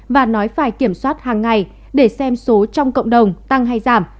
và nói phải kiểm soát hàng ngày để xem số trong cộng đồng tăng hay giảm